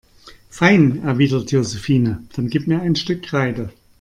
Fein, erwidert Josephine, dann gib mir ein Stück Kreide.